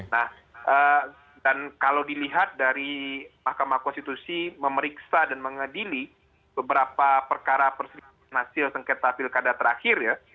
nah dan kalau dilihat dari mahkamah konstitusi memeriksa dan mengadili beberapa perkara persidangan hasil sengketa pilkada terakhir ya